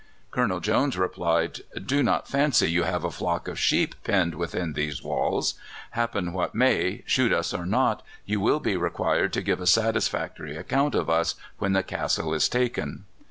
Colonel Jones replied: "Do not fancy you have a flock of sheep penned within these walls. Happen what may, shoot us or not, you will be required to give a satisfactory account of us when the castle is taken."